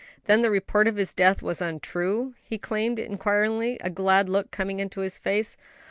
"Then the report of his death was untrue?" he exclaimed inquiringly, a glad look coming into his face.